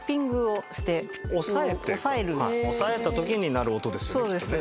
押さえて押さえた時に鳴る音ですよねきっとね。